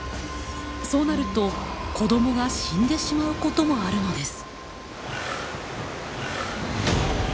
そうなると子どもが死んでしまうこともあるのです。